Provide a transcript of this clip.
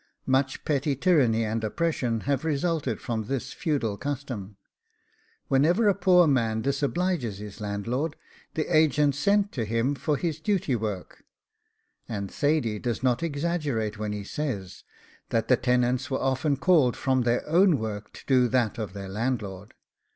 Much petty tyranny and oppression have resulted from this feudal custom. Whenever a poor man disobliged his landlord, the agent sent to him for his duty work; and Thady does not exaggerate when he says, that the tenants were often called from their own work to do that of their landlord.